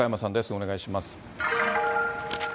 お願いします。